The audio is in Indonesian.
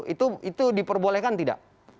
itu diperbolehkan tidak